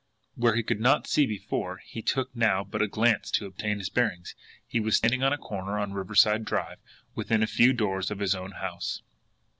But where he could not see before, it took now but a glance to obtain his bearings he was standing on a corner on Riverside Drive, within a few doors of his own house.